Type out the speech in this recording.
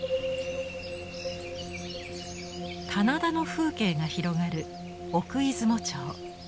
棚田の風景が広がる奥出雲町。